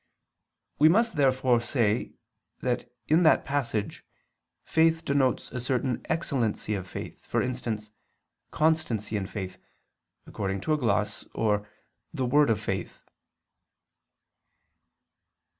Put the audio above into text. We must, therefore, say that in that passage, faith denotes a certain excellency of faith, for instance, "constancy in faith," according to a gloss, or the "word of faith."